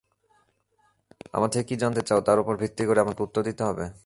আমার থেকে কি জানতে চাও তার উপর ভিত্তি করে আমাকে উত্তর দিতে হবে?